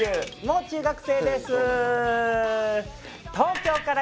もう中学生です。